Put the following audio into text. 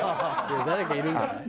誰かいるんじゃない？